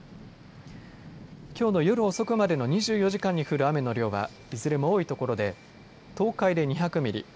きょうの夜遅くまでの２４時間に降る雨の量はいずれも多い所で東海で２００ミリ